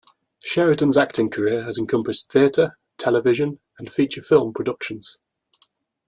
Sheridan's acting career has encompassed theater, television, and feature film productions.